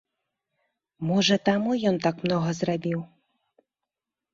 Можа таму ён так многа зрабіў.